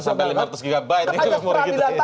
sudah mudah biar ringan